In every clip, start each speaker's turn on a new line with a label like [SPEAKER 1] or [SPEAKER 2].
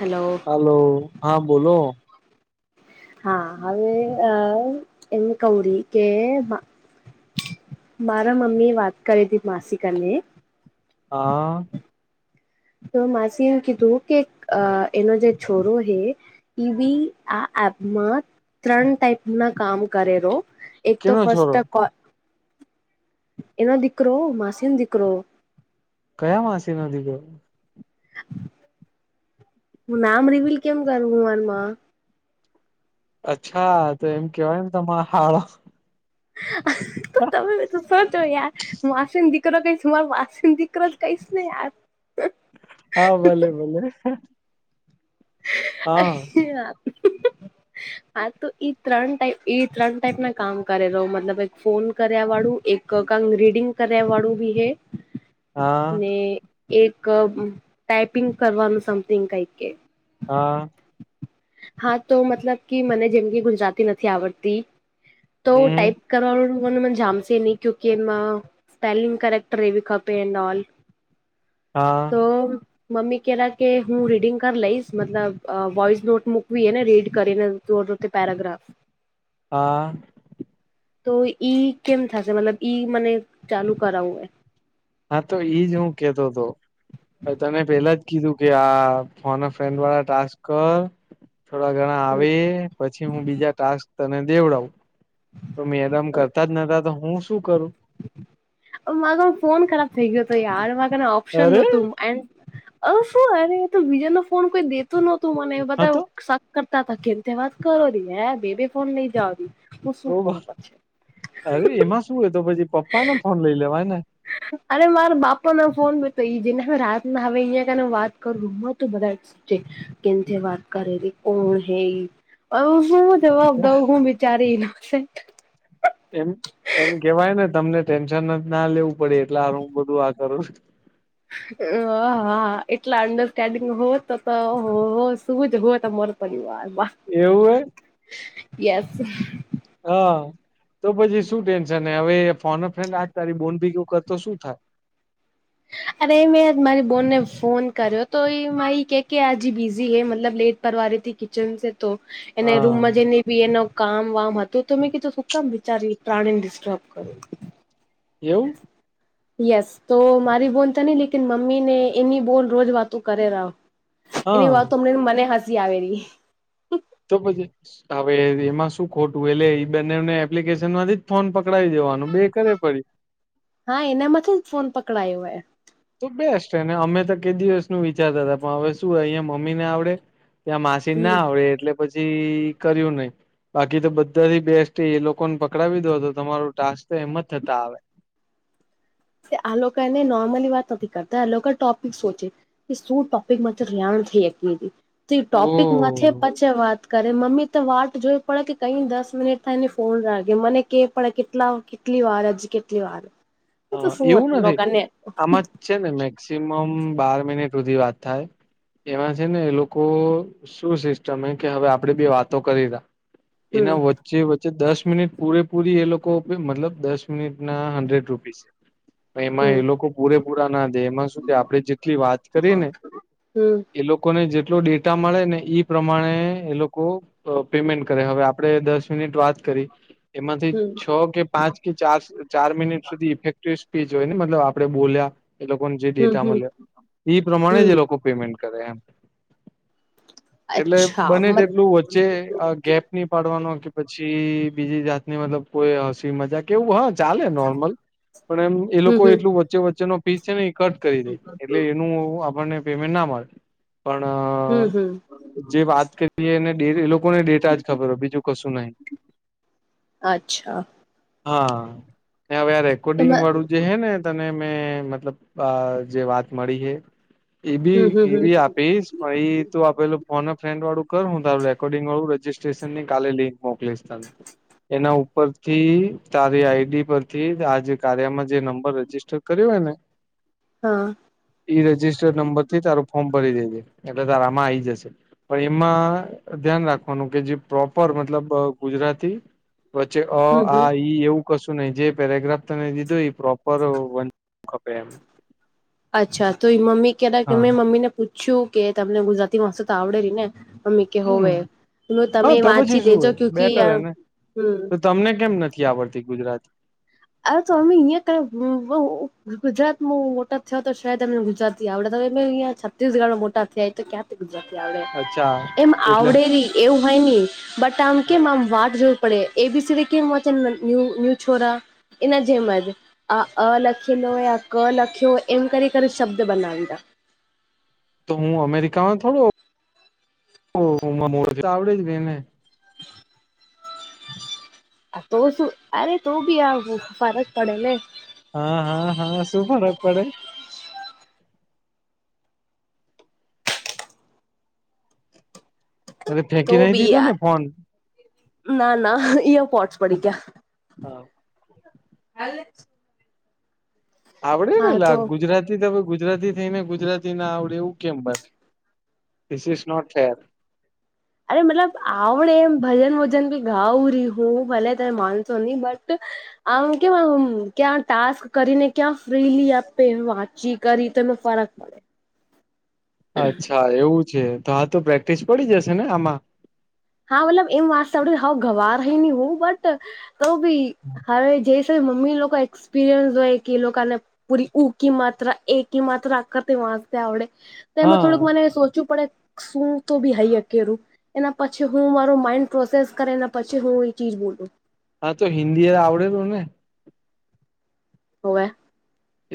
[SPEAKER 1] હાલો.
[SPEAKER 2] Hello હા બોલો.
[SPEAKER 1] હા હવે અ એમને કવરી કે. મારા મમી વાત કરી દે માસી કરને
[SPEAKER 2] હા.
[SPEAKER 1] તો માસી એવું કીધું કે અ એનો જે છોરો હે ટીવી આ એપમાં ત્રણ ટાઈપના કામ કરેરો એક તો
[SPEAKER 2] કેનો
[SPEAKER 1] ફસ્ટ
[SPEAKER 2] છોરો
[SPEAKER 1] કો. એના દીકરો માસીનો દીકરો.
[SPEAKER 2] કયા માસી નો દીકરો.
[SPEAKER 1] હું નામ રિવિલ કેમ કરું હું મનમાં.
[SPEAKER 2] અચ્છા તો એમ કેવાય ને તમારા હાડા.
[SPEAKER 1] તમે બધું શો છો યાર. માસીન દીકરો કઈ મારો વાસીન દીકરો જ કઈશ ને યાર.
[SPEAKER 2] હા ભલે ભલે. હા
[SPEAKER 1] અયા હમ હમ. હા તો એ ત્રણ ટાઈપ એ ત્રણ ટાઈપ ના કામ કરેલો મતલબ એક ફોન કર્યા વાળું એક. રીડિંગ કર્યા વાળું બી હે.
[SPEAKER 2] હા
[SPEAKER 1] ને એક ટાઈપિંગ કરવાનું સમથિંગ કઈ.
[SPEAKER 2] હા.
[SPEAKER 1] હા તો મતલબ કે મને જેમ કે ગુજરાતી નથી આવડતી. તો
[SPEAKER 2] હમ
[SPEAKER 1] ટાઈપ કરવાનું મને મ જામશે નહી ક્યુકકી એમાં સ્પેલિંગ કરેક્ટ રહેવી ખપે એન્ડ ઓઑલ.
[SPEAKER 2] હા.
[SPEAKER 1] તો મમ્મી કેહેલા કે હું રીડિંગ કરી લઈશ મતલબ વોઇસ નોટ. મુકવી એ ને રીડ કરી ને પેરાગ્રાફ
[SPEAKER 2] હા
[SPEAKER 1] તો ઈ કેમ થશે મતલબ ઈ મને ચાલુ કરાવવું હે
[SPEAKER 2] હા તો ઈજ હું કેતો હતો. તને પેલા જ કીધું કે આ ફોન અ ફ્રેન્ડ વાળા ટાસ્ક અ થોડા ઘણા આવે પછી હું બીજા ટાસ્ક તને દેવડાવુ તો મેદામ કરતા જ નતા તો હું શું કરું.
[SPEAKER 1] મા ફોન ખરાબ થઈ ગયો હતો યાર મા કને ઓપ્શન
[SPEAKER 2] અરે
[SPEAKER 1] નહોતું. એ અ શું અરે તો વિજા નો ફોન કોઈ દેતું નહોતું મને
[SPEAKER 2] હા
[SPEAKER 1] બધા
[SPEAKER 2] તો
[SPEAKER 1] કરતા ત કેન્થી વાત કરોરી હે બેબે ફોન લઈ જાવરી.
[SPEAKER 2] ઓ અરે એમાં શું તો પછી પપ્પાને ફોન લઈ લેવાય ને
[SPEAKER 1] અરે મારા બાપા ના ફોન બ તો એ જેને રાત ના હવે અહિયા કને વાત કરું તો બધા કેન થી વાત કરે રિ કોણ હે જવાબ દઉ હું બચારી રયો છે.
[SPEAKER 2] એમ એમ કેવાય ને તમને ટેન્શન ના લેવું પડે એટલે હું બધું આ કરું રિ
[SPEAKER 1] હ હા એટલા અંડરસ્ટેન્ડિંગ હોત તો તો હો શું જ હોત અમારું પરિવાર માં
[SPEAKER 2] એવું એ
[SPEAKER 1] યસ.
[SPEAKER 2] હા. તો પછી શું ટેન્શન હવે ફોન અ ફ્રેન્ડ આ તારી બોન ભેગું કરતો શું થાય.
[SPEAKER 1] અરે મેં મારી બોનને ફોન કર્યો તો એ મા એ કે કે આજ બિઝી હૈ મતલબ લેટ પરવારીથી કિચન છે તો એને
[SPEAKER 2] હા
[SPEAKER 1] રૂમમાં જઈને બી એનો કામ વામ હતો તો મેં કીધું શું કામ બિચારી પ્રાણીને ડિસ્ટર્બ કર
[SPEAKER 2] એવું.
[SPEAKER 1] યસ તો મારી બોન તો નહી લેકિન મમ્મી ને એની બોન રોજ વાતું કરે રહા.
[SPEAKER 2] હા
[SPEAKER 1] એની વાત હમનેંને મને હસી આવે રિ.
[SPEAKER 2] તો પછી હવે એમાં શું ખોટું હેલે બંનેને એપ્લિકેશન માંથી જ ફોન પકડાવી દેવાનું બે કરે પડી
[SPEAKER 1] હા એનામાંથી ફોન પકડાયો હે
[SPEAKER 2] તો બેસ્ટને અમે તો કે દિવસનું વિચારતા હતા પણ હવે શું અહીંયા મમ્મી ને આવડે ત્યાં માસીને
[SPEAKER 1] હમ
[SPEAKER 2] ના આવડે એટલે પછી કર્યું નહી. બાકી તો બધાથી બેસ્ટ એ લોકોને પકડાવી દો તો તમારો ટાસ્ક તો એમ જ થતા આવે.
[SPEAKER 1] કે આ લોકાને નોર્મલી વાત નથી કરતા આ લોકા ટોપિક સોચે. કે શું ટોપિકમાંથી રેયાણ થઈ હકે એવી તે
[SPEAKER 2] ઓ
[SPEAKER 1] ટોપિકમાંથે પછે વાત કરે મમ્મી તો વાટ જોવે પડયા કે કઈ દસ મિનિટ થાયને ફોન રાગે મને કે પણ કેટલા કેટલી વાર હજી કેટલી વાર એ તો
[SPEAKER 2] હા
[SPEAKER 1] શું
[SPEAKER 2] એવું
[SPEAKER 1] હતું
[SPEAKER 2] નથી આમાં
[SPEAKER 1] [unintelligible]
[SPEAKER 2] છે ને મેક્સિમમ બાર મિનિટ હુધી વાત થાય. એમાં છે ને એ લોકો શું સિસ્ટમ હેકે હવે આપણેે બે વાતો કરીરા
[SPEAKER 1] હમ
[SPEAKER 2] એના વચ્ચે વચ્ચે દસ મિનિટ પૂરેપૂરી એ લોકો આપે મતલબ દસ મિનિટના હન્ડ્રેડ રૂપ પીસ પણ એમાં
[SPEAKER 1] હમ
[SPEAKER 2] એ લોકો પૂરેપૂરા ના દે એમાં શું કે આપણે જેટલી વાત કરી ને
[SPEAKER 1] હમ
[SPEAKER 2] એ લોકોને જેટલો ડેટા મળે ને ઈ પ્રમાણે એ લોકો અ પેમેન્ટ કરે હવે આપણે દસ મિનિટ વાત કરી એમાંથી
[SPEAKER 1] હમ
[SPEAKER 2] છ કે પાંચ કે ચાર ચાર મિનિટ સુધી ઈફેકટીવ સ્પીચ હોય ને મતલબ આપડે બોલ્યા એ લોકોને જે
[SPEAKER 1] હમ
[SPEAKER 2] ડેટા
[SPEAKER 1] હમ
[SPEAKER 2] મળ્યો ઈ પ્રમાણે
[SPEAKER 1] હમ
[SPEAKER 2] જ એ લોકો પેમેન્ટ કરે એમ. એટલે
[SPEAKER 1] અચ્છા
[SPEAKER 2] બને
[SPEAKER 1] મત
[SPEAKER 2] તેટલું વચ્ચે અ ગેપ ની પાડવાનો કે, પછી બીજી જાતની મતલબ કોઈ હસી મજાક એવું હહ ચાલે નોર્મલ પણ એમ એ
[SPEAKER 1] હમ
[SPEAKER 2] લોકો
[SPEAKER 1] હમ
[SPEAKER 2] એટલું વચ્ચે વચ્ચેનો પીસ છે ને એ કટ કરી દે એટલે એનું આપ આપણને પેમેન્ટ ના મળે પણ
[SPEAKER 1] હમ હમ
[SPEAKER 2] જે વાત કરીએ એનેે એ લોકોને ડેટા જ ખપેરો બીજું કશું નહી.
[SPEAKER 1] અચ્છા.
[SPEAKER 2] હા ને હવે આ
[SPEAKER 1] તો
[SPEAKER 2] રેકોર્ડિંગ વાળું જે હેને તને મે મતલબ આ જે વાત મળી હે એબી
[SPEAKER 1] હમ હમ હમ
[SPEAKER 2] એબી આપીશ. પણ ઈ તું આ પેલું ફોન અ ફ્રેડ વાળું કર હું તારું રેકોર્ડિંગ વાળું રજીસ ટ્રેશનની કાલે લિંક મોકલીશ તને. એના ઉપરથી તારી આઈડી પરથી આજે કાર્યમાં જે નંબર રજિસ્ટર કર્યો હોય ને
[SPEAKER 1] હહ
[SPEAKER 2] ઈ રજિસ્ટર્ડ નંબરથી તારું ફોર્મ ભરી દેજે. એટલે તારા આમાં આઈ જશે. પણ એમાં ધ્યાન રાખવાનું કે જે પ્રોપર મતલબ અ ગુજરાતી વચ્ચે અ
[SPEAKER 1] હમ હમ
[SPEAKER 2] આ ઈ એવું કશું નહીં જે પેરેગ્રાફ તને દીધો ઈ પ્રોપર વંચ ખપે એમ.
[SPEAKER 1] અચ્છા તો ઈ મમ્મી કેતા કે
[SPEAKER 2] હા
[SPEAKER 1] મેં મમ્મીને પૂછ્યું કે તમને ગુજરાતી ભાષા તો આવડેરી ને? મમ્મી કે હોવે
[SPEAKER 2] હમ
[SPEAKER 1] મેં કીધું તમે
[SPEAKER 2] હા
[SPEAKER 1] ઈ
[SPEAKER 2] તો પછી
[SPEAKER 1] વાંચી
[SPEAKER 2] શું
[SPEAKER 1] દેજો
[SPEAKER 2] હોય
[SPEAKER 1] ક્યુકી
[SPEAKER 2] બેટર હેને
[SPEAKER 1] હમ
[SPEAKER 2] તો તમને કેમ નથી આવડતી ગુજરાત?
[SPEAKER 1] આવ તો અમ્મે અહિયાં કર ગુજરાતમાં મોટા થયો તો શાયદ અમને ગુજરાતી આવડે તો હવે મે અહીંયા છત્તીસગઢમાં મોટા થાય તો ક્યાંથી ગુજરાતી આવડે.
[SPEAKER 2] અચ્છા
[SPEAKER 1] એમ
[SPEAKER 2] એટલે
[SPEAKER 1] આવડેરી એવું હોય ની બટ આમ કેમ આમ વાટ જોવી પડે એબીસીડી કેમ વાંચે ન્યુ ન્યુ છોરા. એના જેમ જ આ અ લખીલો હોય આ ક લખ્યો હોય એમ કરી કરી શબ્દ બનાવીરા.
[SPEAKER 2] તો હું અમેરિકામાં થોડું મને બોલતા આવડે જ રીને.
[SPEAKER 1] [unintelligible] તો શું અરે તો બી આવું ફરક પડે ને
[SPEAKER 2] હા હા હા શું ફરક પડે એ
[SPEAKER 1] તો
[SPEAKER 2] ફેંકી નઈ
[SPEAKER 1] બી
[SPEAKER 2] દીધો ને
[SPEAKER 1] યાર
[SPEAKER 2] ફોન
[SPEAKER 1] ના ના અહિયાં પોટસ પડી ગયા
[SPEAKER 2] હા
[SPEAKER 1] હાલ એ
[SPEAKER 2] આવડેને
[SPEAKER 1] તો
[SPEAKER 2] લાગ ગુજરાત તી તમે ગુજરાતી થઈને ગુજરાતી ના આવડે એવું કેમ? This is not fair.
[SPEAKER 1] અરે મતલબ આવડે એમ ભજન વજન બી ગાવરી હું ભલે તમે માનશો નહી બટ. આમ કેમ આમ ક્યાં ટાસ્ક કરીને ક્યાં ફ્રીલી આપે વાત ફ્રી કરી તેમાં ફરક પડે.
[SPEAKER 2] અચ્છા એવું છે તો આ તો પ્રેક્ટિસ પડી જશે ને આમાં
[SPEAKER 1] હા મતલબ એમ વાત સા હ ગવાર રહી ની હું બટ તો ભી હવે જે મમ્મી લોકો એક્સપિરિયન્સ હોય કે એ લોકોને પૂરી ઉકી માત્રા એકીમાત્રા આખતે વાંચતા આવડે તેમાં
[SPEAKER 2] હા
[SPEAKER 1] થોડુંક મને સોચવું પડે શું તો બી હાઈ અકેરું એના પછી હું મારો માઇન્ડ પ્રોસેસ કરેને પછી હું એ ચીજ બોલું
[SPEAKER 2] હા તો હિન્દી એ આવડે તો ને
[SPEAKER 1] હો વે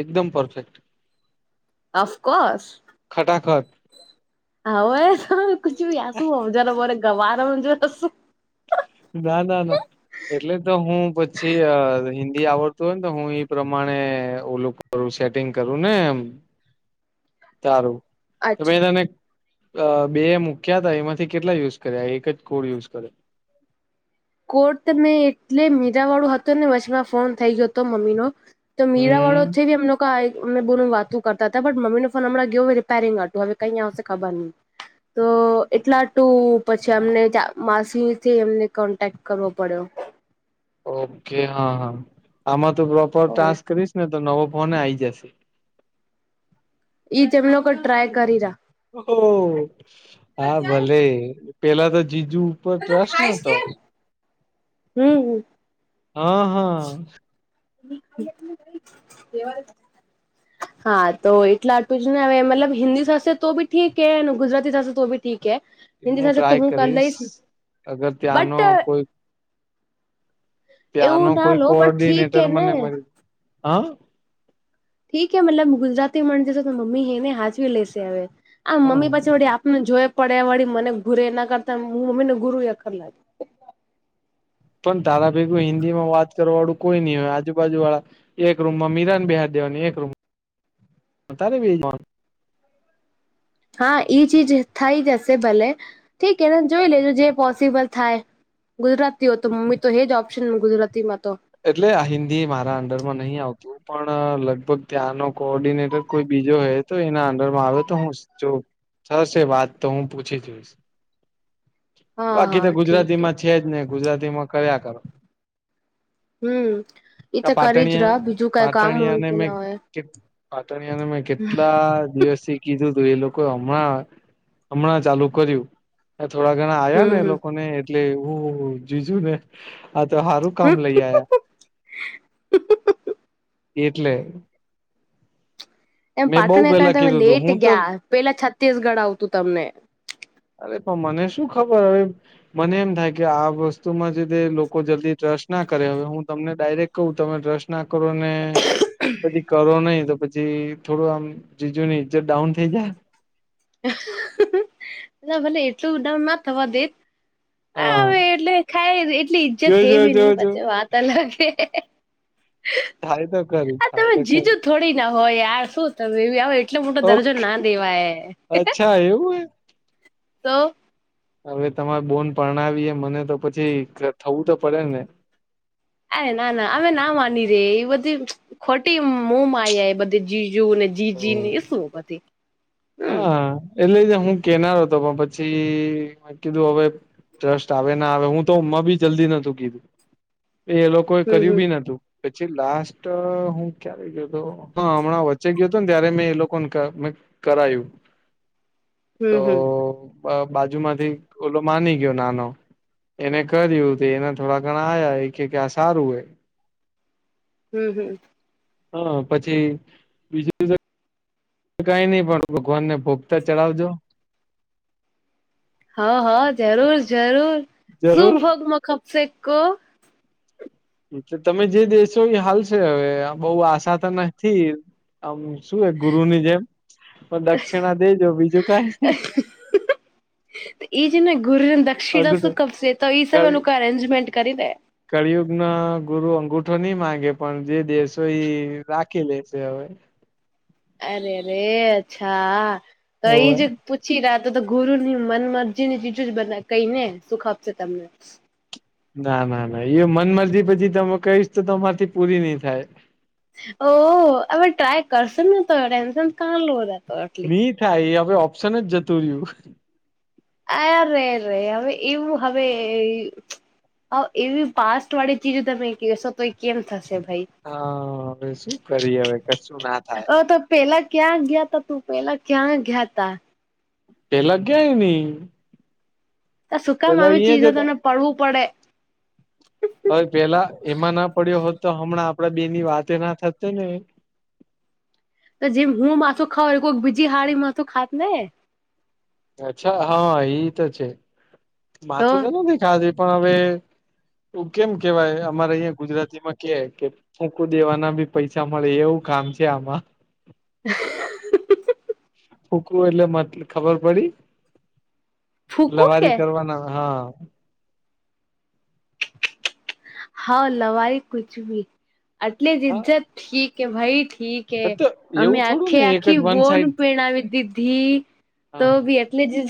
[SPEAKER 2] એકદમ પરફેક્ટ
[SPEAKER 1] અફકોર્સ
[SPEAKER 2] ખટાખટ
[SPEAKER 1] હવે કુંજુ યાસુ [unintelligible] ગવાર [unintelligible]
[SPEAKER 2] ના ના ના એટલે તો હું પછી હિન્દી આવડતું હોય ને તો હું ઈ પ્રમાણે ઓલું ક કરું સેટિંગ કરુ ને એમ તારું
[SPEAKER 1] અચ્છા
[SPEAKER 2] તોમે તને અ બે મુૂક્યા ત એમાંથી કેટલા યુઝ કરે એક જ કોડ યુઝ કરયો
[SPEAKER 1] કોડ તો એટલે મે મીરા વાળું હતું ને વચમાં ફોન થઈ જતો મમ્મીનો તો મીરા વાળો
[SPEAKER 2] હમ
[SPEAKER 1] તી અમે ને લોક આઈ અમ બોલ વાતું કરતા હતા બટ મમ્મીને ફોન હમં ગયો હ રિપેરંગ હતું હવે કઈય આવે ખબર નહીં તો એટલા ટું પછી અમને માસીથી એમને કો તક્ટ કરવો પડ્યો
[SPEAKER 2] ઓકે હા હા આમાં તો પ્રોપર ટાસક કરીશ ને તો નવો ફોન એ આવી જશે
[SPEAKER 1] ઈ જ અમ લોકો ટ્રાય કરી રા્યા
[SPEAKER 2] ઓ હા અ ભલે પેલા તો જીજુ ઉપર ટ્રસ્ટ નોતો
[SPEAKER 1] હમ હ
[SPEAKER 2] હ હ
[SPEAKER 1] [inaudible] હા તો એટલા આટું જ ને હવે મતલબ હિન્દી સાથેશે તો બી ઠીક હે અને ગુજરાતી થશે તો બી ઠીક હે
[SPEAKER 2] એ
[SPEAKER 1] હિન્દી
[SPEAKER 2] હું
[SPEAKER 1] થશે તો
[SPEAKER 2] ટ્રાય
[SPEAKER 1] કરી
[SPEAKER 2] કરીશ
[SPEAKER 1] લઈશ
[SPEAKER 2] અગર
[SPEAKER 1] બટ
[SPEAKER 2] ત્યાંનો કોઈ ત્યાંનો
[SPEAKER 1] એવું ના
[SPEAKER 2] કોઈ
[SPEAKER 1] લો બટ ઠીક
[SPEAKER 2] કોર્ડિનેટર
[SPEAKER 1] હે ને
[SPEAKER 2] મને મળી હ
[SPEAKER 1] ઠીકે મતલબ ગુજરાતી માણ જશે તો મમ્મી હે ને હાંચવી લેશે હવે આમ મમ્મી
[SPEAKER 2] હમ
[SPEAKER 1] પાછી વળી આપને જોઈ પડે વળી મને ઘુરે એના કરતાં હું મમ્મીને ગુરુયખર લાગે
[SPEAKER 2] પણ તારા ભેગું હિન્દી માં વાત કરવાળું કોઈ નઈ હોય આજુબાજુ વાળા એક રૂમમાં મિરાને બેહડી દેવાની એક રૂમમાં તારે બેહી જવાનુ
[SPEAKER 1] હા એઈ ચીજ થઈ જશે ભલે ઠીક હે ને જોઈ લેજો જે પોસિબલ થાય ગુજરાતી હો તો મમ્મી તો હ જ ઓપ્શન ગુજરાતીમાં તો
[SPEAKER 2] એટલે આ હિન્દી મારા અંડરમાં નહી આવતું હુ પણ લગભગ ત્યાંનો કોર્ડિનેટર કોઈ બીજો હ તો એના અંડરમાં આવે તો હું જો સરશે વાત તો હું પૂછી જોઈશ
[SPEAKER 1] [inaudible]
[SPEAKER 2] બાકી
[SPEAKER 1] હા
[SPEAKER 2] તો ગુજરાતી
[SPEAKER 1] ઠીક હે
[SPEAKER 2] માં છે જ ને ગુજરાતી માં કયરા કરો
[SPEAKER 1] હમ એઈ
[SPEAKER 2] આ
[SPEAKER 1] તો કરી જ ર બીજું કઈ કામ હોય કે ના હોય
[SPEAKER 2] પાતણીિયા અને મે કેટલા દિવસથી કીધું તું એ લોકો હમણાં હમણાં ચાલુ કર્યું થોડા ઘણા આવ્યા
[SPEAKER 1] હમ
[SPEAKER 2] ને એ
[SPEAKER 1] હમ
[SPEAKER 2] લોકો ને એટલે હું જીજુ ને આ તો હા કામ
[SPEAKER 1] હમ
[SPEAKER 2] લઈ આયા એટલે
[SPEAKER 1] એમ
[SPEAKER 2] મેં બઉ
[SPEAKER 1] પાટણ કાર
[SPEAKER 2] પેલા
[SPEAKER 1] તમે
[SPEAKER 2] કીધું તું
[SPEAKER 1] લેટ
[SPEAKER 2] હું તો
[SPEAKER 1] ગયા પેલા છત્તીસગઢ આવતું તમને
[SPEAKER 2] અરે પણ મને શું ખબર હવે મને એમ થાય કે આ વસ્તુ માં જે તે લોકો જલ્દી ટ્રસ્ટ ના કરે હવે હું તમને ડાયરેક્ટ કહું તમે ટ્રસ્ટ ના કરો ને પછી કરો નહી તો પછી થોડું આમ જીજુ ની ઈજ્જત ડાઉન થઈ જાય
[SPEAKER 1] ભલે એટલું ઉડાઉણ ના થવા દે હા હવે એટલે ખાઈ એટલી ઈજ્જત
[SPEAKER 2] જો
[SPEAKER 1] હે
[SPEAKER 2] જો
[SPEAKER 1] બી
[SPEAKER 2] જો
[SPEAKER 1] નઈ
[SPEAKER 2] જો
[SPEAKER 1] પછી વાત ત લ કે
[SPEAKER 2] થાય તો કર
[SPEAKER 1] હા તમે જીજો થોડી ના હોય યાર શું તમે એવી આવે એટલો મોટો દરજો
[SPEAKER 2] ઓકે
[SPEAKER 1] ના દેવાય
[SPEAKER 2] અચ્છા એવું હો
[SPEAKER 1] તો
[SPEAKER 2] હવે તમારે બોન પરણાવીએ મને તો પછી થવું તો પડે ને
[SPEAKER 1] અરે ના ના અમે ના માની રે એ બધી ખોટી મો માયા જીજુ ને જીજી એ સુ બધી હમ
[SPEAKER 2] હા એટલે જ હું કેનારો હતો પણ પછી મે કીધું હવે ટ્રસ્ટ આવે ના આવે હું તો હમમાં બી જલ્દી નતું કીધું એ લોકોએ
[SPEAKER 1] હમ
[SPEAKER 2] કર્યું
[SPEAKER 1] હમ
[SPEAKER 2] બી નતું પછી લાસ્ટ હું ક્યારે ગયોતો હા હમણાં વચ્ચે ગયો હતો ને ત્યારે મેં એ લોકોને કરાયું તો
[SPEAKER 1] હમ હમ
[SPEAKER 2] બાજુ માંથી ઓલો માની ગયો નાનો એને કર્યું તે એના થોડા ઘણા આ્યા એ કે કે આ સારું હોય
[SPEAKER 1] હમ્મ હમ્મ
[SPEAKER 2] હા પછી બીજું કઈ નહી પણ ભગવાનને ભોગતા ચડાવજો
[SPEAKER 1] હા હા જરૂર જરૂર શું
[SPEAKER 2] જરૂર
[SPEAKER 1] ભગમાં ખપશેકો
[SPEAKER 2] એલે તમે જે દેશો એ હાલશે હવે બહ આશા તો નથી આમ શું એ ગુરુ ની જેમ પણ દક્ષિણા દેજો બીજું કઈ ની
[SPEAKER 1] એ જે ને ગુર દક્ષિણા
[SPEAKER 2] અઘરું
[SPEAKER 1] ક તો એ સ એ લોકો અરેન્જમેન્ટ કરીને
[SPEAKER 2] કર્યું ગુરુ અંગુઠો નહી માંગે પણ જે દેશો એ રાખી લે છે હવે
[SPEAKER 1] અરે અરે અચ્છા કઈ
[SPEAKER 2] હોવે.
[SPEAKER 1] જ ચી રાતો તો ગુરુ ની મન મરજીની ચીજો જ બધા કઈ ને સુખ આપશે તમને
[SPEAKER 2] ના ના ના એ મન મરજી પછી ત કહીશ તો તમારથી પૂરી નઈ થાય
[SPEAKER 1] ઓ હવે ટ્રાય કરશ ને તો ટેન્શન કં લારે
[SPEAKER 2] હી થાય એ હવે ઓપ્શન જ જતું રહ્યું
[SPEAKER 1] આ રે રે હવે એવું હવે હ એવી પાસ્ટ વાળી ચીજો તમે કશો તો એ કેમ થશે ભાઈ
[SPEAKER 2] હા હવે શું કરી હવે કશું ના થાય
[SPEAKER 1] અ તો પેલા ક્યાં ગયા ત તું પેલા ક્યાં ગયા તા
[SPEAKER 2] તે લ ગ્યાય ન
[SPEAKER 1] તો સુકાામ આવી
[SPEAKER 2] જ
[SPEAKER 1] ચીજો
[SPEAKER 2] હતા.
[SPEAKER 1] તમને પડવું પડે
[SPEAKER 2] હવે પેલા એમાં ના પડ્યો હોત તો હમણાં આપડા બે ની વાતે ના થતે ને
[SPEAKER 1] તો જેમ હું માથુ ખાઉ કોઈક બીજી હાડી માથુ ખાત ને
[SPEAKER 2] અચ્છા હા એ તો છે, માથું તો નથી ખાધું પણ હવે ઓ કેમ કેવાય અમારે અયા ગુજરાતીમાં કે કે મૂકું દેવાના બી પૈસા મળે એવું કામ છે આમાં
[SPEAKER 1] હા
[SPEAKER 2] ફૂકવું એટલે મ ખબર પડી
[SPEAKER 1] ફૂકું કે
[SPEAKER 2] લવારી કરવાના હા
[SPEAKER 1] હા લવાઈ કુછ બી એટલે જ ઇજ્જત
[SPEAKER 2] હા
[SPEAKER 1] ઠીક કે ભાઈ ઠીક કે
[SPEAKER 2] તો
[SPEAKER 1] અમે
[SPEAKER 2] એવું થોડું
[SPEAKER 1] આખે
[SPEAKER 2] ને એક જ
[SPEAKER 1] આખી
[SPEAKER 2] વન
[SPEAKER 1] બોન
[SPEAKER 2] સાઈડ
[SPEAKER 1] પણાવી દીધી તો
[SPEAKER 2] હા
[SPEAKER 1] બી લેજ જ